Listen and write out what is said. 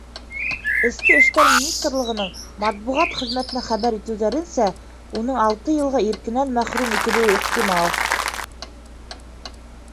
Эске эштәр министрлығының матбуғат хеҙмәтенән хәбәр итеүҙәренсә, уның алты йылға иркенән мәхрүм ителеүе ихтимал.